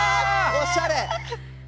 おしゃれ！